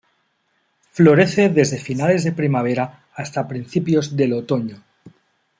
Florece desde finales de primavera hasta principios del otoño.